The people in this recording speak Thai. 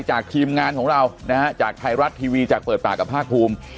จากทีมงานของเราแทยรัจทีวีจากเปิดปากับภาครภูมิ